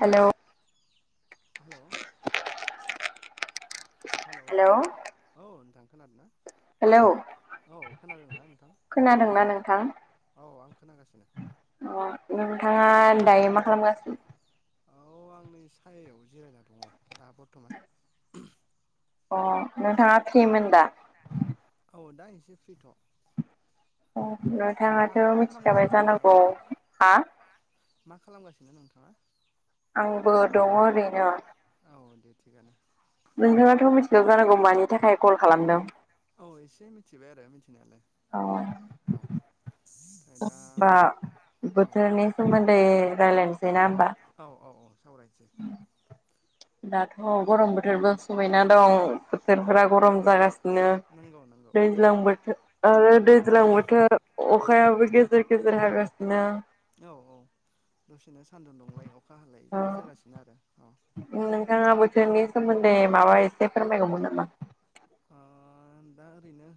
हेल' hello hello औ नोंथां खोनादों ना हेल' औ खोनादोंनाा नोंथां नोंथां औ आं खोनागासिनो अ नोंथाङा दायो मा खालामगासिनो औ आं नै सायायाव जिरायना दङ दा बर्थमान अ नोंथाङा फ्रिमोन दा औ दा एसे फ्रिथ' नोंथाङा नोंथाङाथ' मा मिथिखाबाय खालामगासिनो नोंथाङाबो जानांगौ हा मा खालामगासिनो नोंथाङा आंबो दङ ओरैनो औ दे थिगआनो नोंथाङाथ' मिथिला जानांगौ मानि थाखाय कल खालामदों औ एसे मिथिबाय आरो मिथिनायालाय औ औ ओमफ्राय दा बा औ बोथोरनि सोमोन्दै रायलायनोसै ना औ औ औ सावरायसै दाथ' गरम बोथोरबो समायना दं औ बोथोरफोरा गरम जागासिनो नंगौ नंगौ औ दैज्लां बोथोर आरो दैज्लां बोथोर अखायाबो गेजेर गेजेर गेजेर हागासिनो औ औ दसेनो सान्दुं दुंलाय अखा हालाय ओ बिदि जागासिनो आरो औ नोंथाङा बोथोरनि सोमोन्दै माबा एसे फोरमायगौमोन नामा ओ दा ओरैनो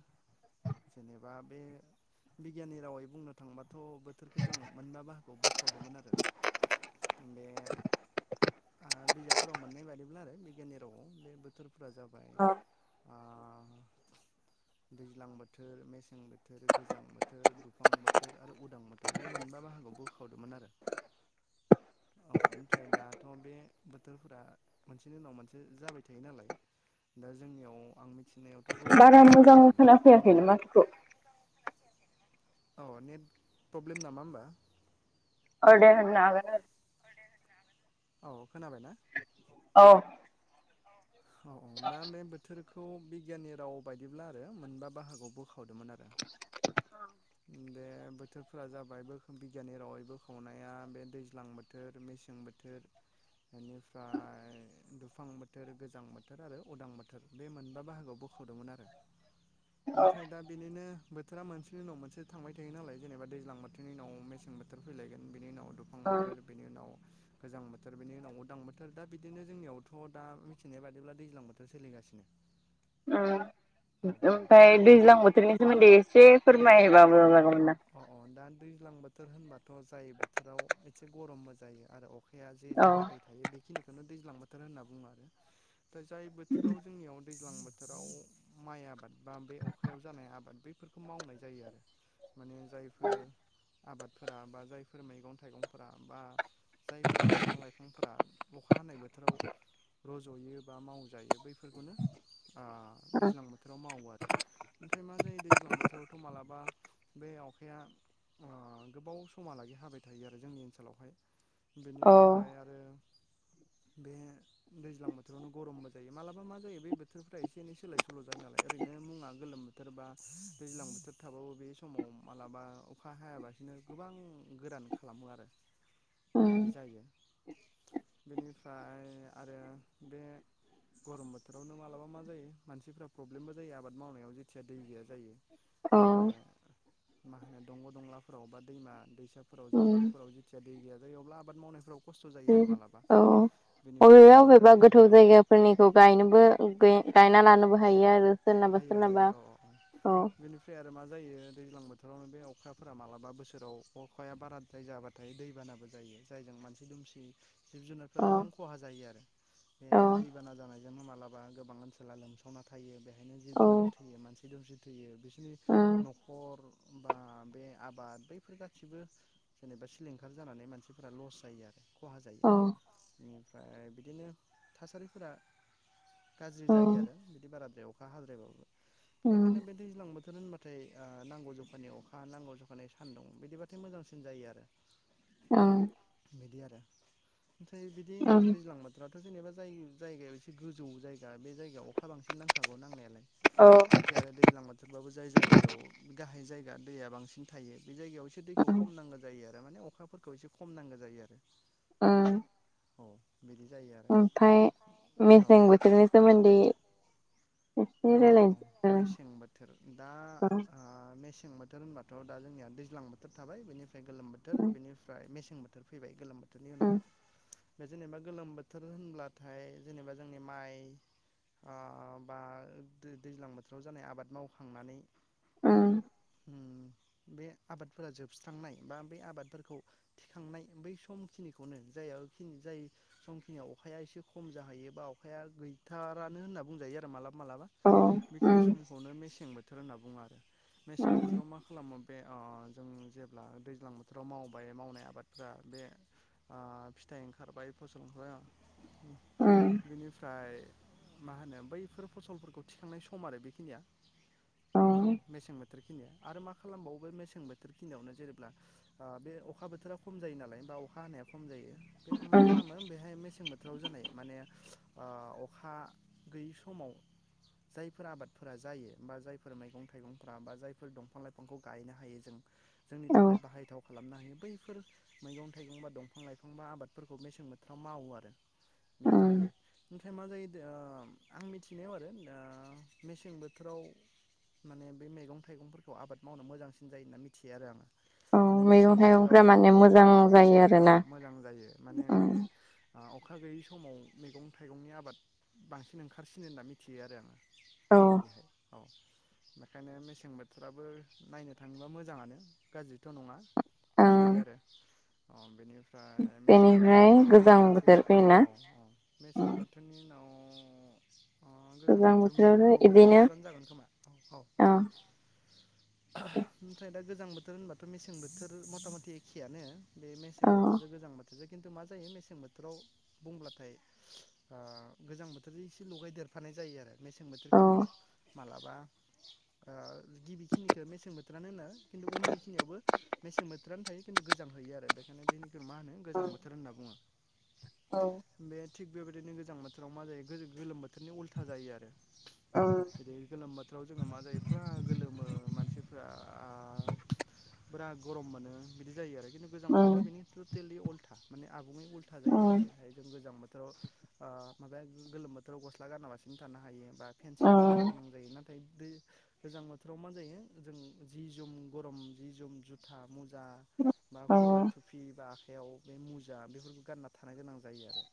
जेनेबा बे बिगियाननि रावै बुंनो थांबाथ' बोथोरखौ जों मोनबा बाहागोआव बो खावदोंमोन आरो बे बिजाबफोराव मोननाय बादिब्ला आरो बिगियाननि रावाव बे बोथोरफोरा जाबाय अ आ दैज्लां बोथोर मेसें बोथोर गोजां बोथोर दुफां बोथोर आरो उदां बोथोर बे मोनबा बाहागोआव बोखावदोंमोन आरो [inaudible] औ ओमफ्राय दाथ' बे बोथोरफोरा मोनसेनि उनाव मोनसे जाबाय थायो नालाय दा जों आं मिथिनायावथ' गरम बारा बोथोर मोजां सोलिगासिनो गरम खोनाफैयाखैनो बोथोर माथोखौ औ नेट प्रब्लेम नामा होमबा औ दे होननो हागोन औ खोनाबाय ना आरो औ औ औ दा बे बोथोरखौ बिगियाननि राव बायदिब्ला आरो मोनबा बाहागोआव बोखाव दोंमोन आरो बे [inaudible] बोथोरफोरा जाबाय बे बिगियाननि रावै बोखावनाया बे दैज्लां बोथोर मेसें बोथोर बेनिफ्राय दुफां बोथोर गोजां बोथोर आरो उदां बोथोर बे मोनबा बाहागोआव बो खावदोंमोन आरो औ ओमफ्राय दा बिदिनो बोथोरा मोनसेनि उनाव मोन से थांबाय थायो नालाय जेनेबा दैज्लां बोथोरनि उनाव मेसें बोथोर फैलायगोन बिनि उनाव दुफां बोथोर उम बेनि उनाव गोजां बोथोर बेनि उनाव उदां बोथोर दा बिदिनो जोंनियावथ' दा मिथिनाय बादिब्ला दैज्लां बोथोर सोलिगासिनो ओम औ औ ओमफाय दैज्लां बोथोरनि सोमोनदै एसे फोरमाय बा अ अ दा दैज्लां बोथोर होनबाथ' जायो बोथोराव एसे गरमबो जायो आरो अखा या जे जे औ हाबाय थायो बेखिनिखौनो दैज्लां बोथोर होनना बुङो आरो दा जाय बोथोराव जोंनियाव दैज्लां बोथोराव माइ आबाद बा बे अखायाव जानाय आबाद बैफोरखौ मावनाय जायो आरो माने जायफोर आबादफोरा बा जायफोर मैगं- थाइगंफोरा बा जायफोर दंफां लाइफांफोरा अखा हानाय बोथोराव रज'यो बा मावजायो बैफोर फोरखौनो आं दैज्लां बोथोराव मावो आरो ओमफ्राय मा जायो दैज्लां बोथोरावथ' मालाबा बे आखाया आ गोबाव समहालागै हाबाय थायो आरो जोंनि ओनसोलावहाय अ बेनिफ्राय आरो [inaudible] बे दैज्लां बोथोरावनो गरमबो जायो मालाबा मा जायो बे बोथोरफ्रा एसे एनै सोलाय सोल' जायो नालाय ओरैनो मुङा गोलोम बोथोर बा दैज्लां बोथोर थाबाबो बे समाव मालाबा अखा हायाबासिनो गोबां गोरान खालामो आरो उम बिदि जायो बेनिफ्राय आरो बे गरम बोथोरावनो मालाबा मा जायो मानसिफोरा प्रब्लेमबो जायो आबाद मावनायाव जेरै खेथिया दै गैया जायो औ ब बे मा होनो दंग' दंलाफोराव बा दैमा दैसा साफोराव उम जामफैफोराव जेथिया दै गैया जायो अब्ला आबाद मावनायफोराव खसथ' जायो आरो मालाबा बेनिफ्राय आरो अबेबा मा अबेबा जायो गोथौ औ जायगाफोरनिखौ गायनोबो गायना लानोबो हायो आरो सोरनाबा हायो हायो सोरनाबा औ औ औ बिनिफ्राय आरो मा जायो दैज्लां बोथोरावनो बे अखाफोरा मालाबा बोसोराव अखाया बाराद्राय जाबाथायायो दैबानाबो जायो जायजों दुमसिब जिब-जुनारफोरा औ गोबां ख'हा जायो आरो बे औ दैबाना जानाय नो मालाबा गोबां ओनसोला लोमसावना थायो बेहायनो जिब औ जुनार थैयो मानसि दुमसि थैयो जि न'ख खर बा बे आबाद बैफोर गासिबो जेनेबा सिलिंखार जानानै मानसिफोरा लस जायो यो आरो ख'हा जायो औ एमनिफ्राय बिदिनो थासारिफोरा गाज्रि जायो उम आरो बिदि बाराद्राय अखा हाद्रायबाबो उम बेनिखायनो बे दैज्लां बोथोर होनबाथाय आं नांगौ जखानि अखा नांगौ जखानि सानदुं बिदिबाथाय मोजांसिन जायो आरो औ बिदि आरो ओमफ्राय बिदि ओं दैज्लां बोथोर थ' जेनेबा जाय जायगायाव एसे गोजौ जायगा बे जायगायाव अखा बांसिन नांखागौ नांनायालाय ओं ओमफ्राय आरो दैज्लां बोथोरबाबो जाय जायगायाव गाहाय जायगा दैया बांसिन थायो बे जायगायाव एसे दैखौ खम नांगौ जायो आरो थारमाने अखाफोरखौ एसे खम नांगौ जायो आरो ओ औ बिदि जायो आरो ओमफाय मेसें औ बोथोरनि सोमोनदै औ औ मेसें बोथोर दा ओ मेसें सें बोथोर होनबाथ' दा जोंनिया दैज्लां बोथोर थाबाय बेनिफ्राय गोलोम बोथोर उम बेनिफ्राय मेसें बोथोर बोथोर फैबाय गोलोम बोथोरनि उम उनाव बे जेनेबा गोलोम बोथोर होनब्लाथाय जेनेबा जोंनि माइ आं बा दैज्लां बोथोराव जानाय आबाद मावखांनानै ओ उम बे आबादफोरा जोबस्रांनाय बा बे आबादफोरखौ थिखांनाय बै समखिनिखौनो जाया जाय समखिनियाव अखाया एसे खम जाहैयो बा अखाया गैथारानो होनना बुंजायो आरो मालाब मालाबा औ बेखिनि उम समखौनो मेसें बोथोर होनना बुङो आरो मेसें उम बोथोराव मा खालामो बे ओ जों [inaudible] जेब्ला दैज्लां बोथोराव मावबाय मावनाय आबादफोरा बे आं फिथाइ ओंखारबाय फसलफ्रा उम बिनिफ्राय मा होनो बैफोर फसलफोरखौ थिखांनाय सम आरो बेखिनिया औ मेसें बोथोरखिनिया आरो मा खालामबावो बे मेसें बोथोर खिनियावनो जेनेब्ला बे अखा बोथोरा खम जायो नालाय बा अखा हानाया जायो बे मा उम खालामो बेहाय मेसें बोथोराव जानाय माने अखा गैयि समाव जायफोर आबादफोरा जायो बा जायफोर मैगं थाइगंफोरा बा जायफोर दंफां लाइफांखौ गायनो हायो जों जोंनि औ थाखाय बाहायथाव खालामनो हायो बैफोर मैगं थाइगं बा दंफां लाइफां बा आबादफोरखौ मेसें बोथोराव मावो आरो बिदि उम जायो ओमफ्राय मा जायो आं मिथिनायाव आरो मेसें बोथोराव माने बे मैगं थाइगंफोरखौ आबाद मावनो मोजांसिन जायो होनना मिथियो आरो आङो औ माने मेसें मैगं बोथोराव थाइगंफोरा औ माने औ मोजां जायो औ आरोना मोजां जायो माने बे उम अखा गैयै समाव मैगं थाइगंनि आबाद बांसिन ओंखारसिनो होनना मिथियो आरो आङो औ बिदिहाय औ बेखायनो मेसें बोथोराबो नायनो थाङोबा मोजाङानो गाज्रिथ' नङा बिदि ओं आरो अ बेनि ओमफ्राय मेसें बेनिफ्राय बोथोरावनो गोजां बोथोर मानसिफ्रा औ फैयोना औ औ मेसें उम बोथोरनि उनाव अ अ गोजां बोथोरमोन नामा बोथोरावनो औ गोजां इदिनो बोथोरानो जागोन खोमा औ औ ओमफ्राय दा गोजां बोथोर होनबाथ' मेसें बोथोर मथा मथि एखेयानो बे मेसें औ बोथोरजों गोजां बोथोरजों खिन्थु मा जायो मेसें बोथोराव बुंब्लाथाय गोजां बोथोरजों एसे लगायदेर फानाय जायो आरो मेसें औ बोथोरखिनियाव मालाबा गिबिखिनिखौ मेसें बोथोरानो होनो खिनथु उननिखिनियावबो मेसे सें बोथोरानो थायो खिनथु गोजां हैयो आरो बेखायनो बेखिनिखौ मा होनो गोजां बोथोर होनना बुङो औ बे थिग बेबायदिनो गोजां बोथोराव मा जायो गोलोम बोथोरनि उल्था जायो आरो उम जेरै गोलोम बोथोराव जोङो मा जायो फुरा गोलोमो मानसिफ्रा पुरा गरम मोनो बिदि जायो आरो खिन्थु गोजां उम बोथोराव बेनि टटेलि उल्था माने आ उल्था जायो उम जेरैहाय जों गोजां बोथोराव माबाया गोलोम बोथोराव गस गसला गानालासिनो थानो हायो बा फेन सिङाव थानो उम गोनां जायो ना नाथाय बे गोजां बोथोराव मा जायो जों जि जोम गरम जि जोम जुथा मुजा बा औ खर'आव थुफि बा आखाइयाव बे मुजा बेफोरखौ गानना थानो गोनां जायो आरो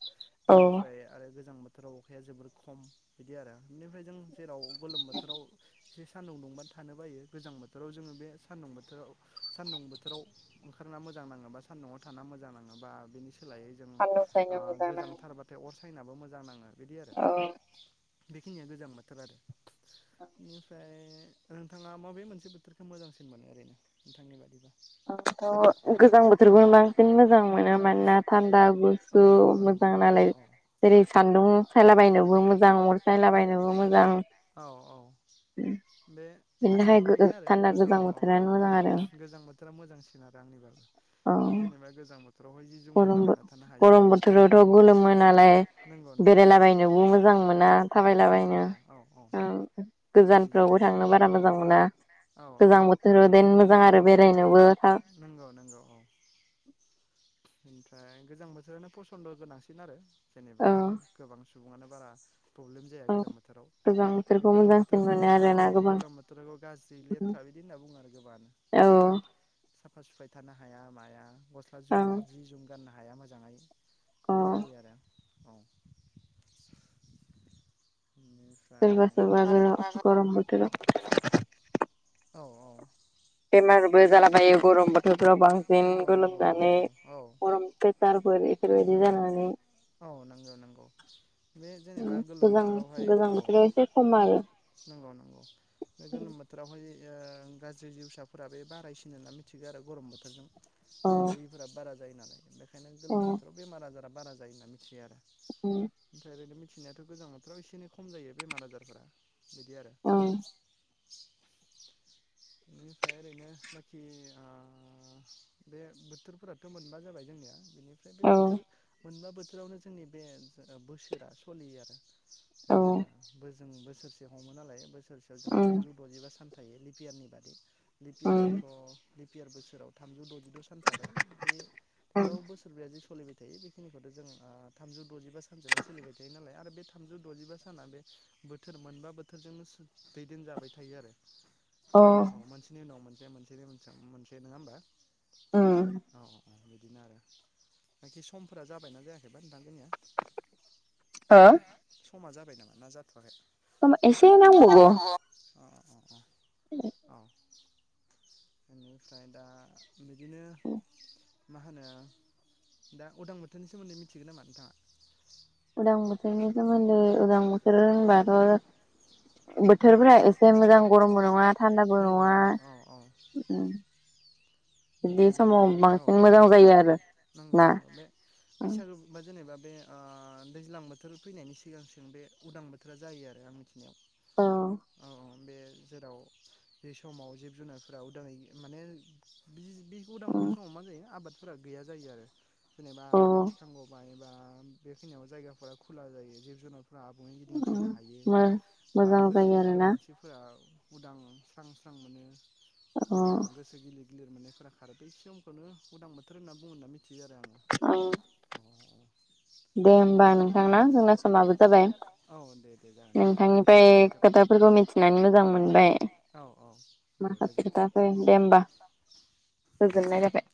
औ बेनिफ्राय आरो गोजां बोथोराव अखाया जोबोर खम बिदि आरो बेनिफ्राय जों जेराव गोलोम बोथोराव सान्दुं दुंबानो थानो बायो गोजां बोथोराव जोङो बे सान्दुं बोथोराव सान्दुं बोथोराव ओंख ना मोजां नाङो बा सानदुंआव थाना मोजां नाङोबा बेनि सोलायै जों सान्दुं सायनो मोजां नाङो गोजांथारबाथाय अर सायनाबो मोजां नाङो बिदि आरो औ बेखिनिया गोजां बोथोर आरो बेनिफ्राय नोंथाङा माबे मोनसे बोथोरखौ मोजांसिन मोनो ओरैनो नोंथांनि बादिबा अ थ' गोजां बोथोरखौनो बांसिन मोजां मोनो मानोना थानदा औ गुसु नंगौ मोजां नंगौ औ नालाय जेरै सानदुं सायलाबायनोबो मो जां अर सायलाबायनोबो मोजां औ औ बे बेनि थाखाय आंनियाबो बेनो आरो थान्दा औ गोजां औ बोथोरानो मोजां आरो गोजां बोथोरा मोजांसिन आरो आंनिबाबो औ बे जेनेबा गोजां बोथोरावहाय जि जोम गरम बो गानलाबायना थानो हायो गरम बोथोरावथ' गोलोमो नालाय नंगौ नंगौ औ बेरायलाबायनोबो मोजां मोना मोजां थाबायलाबायनो मोना औ औ बिदि गोजानफ्रावबो जायो आरो थांनो बारा मोजां मोना औ गोजां बोथोराव जेन मोजां आरो बेरायनोबो नंगौ नंगौ औ [inaudible] ओमफ्राय गोजां बोथोरानो फसन्द' गोनांसिन आरो जेनेबा गोबां सुबुङानो बारा प्रब्लेम जाया आं गोजां बोथोराव गोजां बे बोथोरखौ गोलोम मोजांसिन बोथोराव मोनो फैनायलाय आरोना औ औ गोबां गोलोम बोथोरखौ गाज्रि लेथ्रा बिदि होनना बुङो आरो गोबाङानो [unintelligible] साफा सुफायै थानो हा हाया माया गस्ला जुम ओं जि जुम गाननो हाया मोजाङै अ बिदि जायो आरो [unintelligible] सोरबा बेनिफ्राय सोरबा गरम बोथोराव औ औ बेमारबो जालाबायो गरम बोथोरफ्राव बांसिन नंगौ नंगौ औ गोलोमनानै औ औ गरम प्रेसारफोर एफोर बादि जानानै औ नंगौ नंगौ बे जेनेबा गोलोम गोजां बोथोरावहाय गोजां औ बोथोराव एसे खम आरो नंगौ नंगौ बे गोलोम बोथोरावहाय गाज्रि जिउसाफोरा बे बारायसिन होनना मिथिगौ आरो गरम बोथोरजों औ दैफोरा बारा जायो नालाय बेनिखायनो औ गोलोम बोथोराव बेमार आजारा बारा जायो होननानै मिथियो आरो ओमफ्राय आरो मिथिनायावथ' गोजां बोथोराव एसे एनै खम जायो बेमार आजारफ्रा बिदि आरो [inaudible] औ बेनिफ्राय ओरैनो बाखि ओ बे बोथोरफोराथ' मोनबा जाबाय जोंनिया बेनिफ्राय बे औ बोथोर मोनबा बोथोरावनो जोंनि बे बोसोरा सलियो आरो औ जेनेबा बो जों बोसोरसे हमो नालाय बोसोरसेयाव जों उम थामजौ द'जिबा सान थायो लिपियारनि बादै उम लिपियारावथ' लिपियार बोसोराव थामजौ द'जि द' सान थाबाय बे थेवब्लाबो बोसोरबायाव सोलिबाय थायो बेखिनिखौथ' जों थामजौ द'जिबा सानजोंनो सोलिबाय थायो नालाय आरो बे थामजौ द'जिबा साना बे बोथोर मोनबा बोथोरजोंनो दैदेनजाबाय थायो आरो अ औ मोनसेनि उनाव मोनसे मोनसेनि मोनसे मोनसे नङा होमबा उम औ औ बिदिनो आरो बाखि समफोरा जाबायना जाया जाबायबा नोंथां जोंनिया हो हो समा जाबाय नामा ना जाथ'वाखै एसे नांबावगौ अ अ औ बेनिफ्राय दा बिदिनो मा होनो दा उदां बोथोरनि सोमोन्दै मिथिगोन नामा नोंथाङा उदां बोथोरनि सोमोन्दै उदां बोथोर होनबाथ' बोथोरफोरा एसे मोजां गरमबो नङा थान्दाबो नंगौ नङा नंगौ औ औ बे बिदि समाव जेनेबा औ बांसिन औ मोजां जायो आरो नंगौ ना नंगौ बे बैसागु जेनेबा बे दैज्लां बोथोर फैनायनि सिगां सिं बे उदां बोथोरा जायो आरो आं मिथिनायाव औ औ औ बे जेराव बे समाव जिब जुनारफोरा उदाङै माने बि बे उदां बोथोर समाव मा जायो आबाद फोर गैया जायो आरो जेनेबा औ आबाद थिखांगौबाय बा बेखिनियाव जायगाफोरा खुला जायो जिब जुनारफोरा आबुङै गिदिंथिंनो हायो बा मोजां जायो गोसोफोरखौ आरोना मानसिफोरा उदां स्रां स्रां मोनो औ गोसो गिलित लिर मोननायफोरा खारो बै समखौनो उदां बोथोर होनना बुङो होनना मिथि यो आरो आङो दे होमबा नोंथां ना जोंना समाबो जाबाय नोंथांनिफ्राय खोथा फोरफोरखौ मिथिनानै मोजां मोनबाय औ औ दे माखासे गोजोन्थों खोथाफोर औ दे होमबा गोजोननाय जाबाय